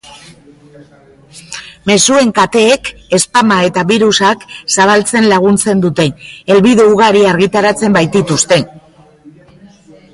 Mezuen kateek spama eta birusak zabaltzen laguntzen dute, helbide ugari argitaratzen baitituzte.